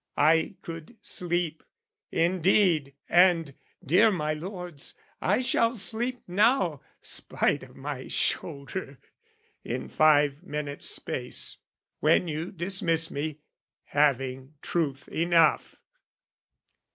I could sleep: Indeed and, dear my lords, I shall sleep now, Spite of my shoulder, in five minutes' space, When you dismiss me, having truth enough!